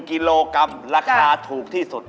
กิโลกรัมราคาถูกที่สุด